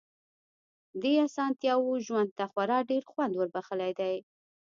دې اسانتياوو ژوند ته خورا ډېر خوند وربښلی دی.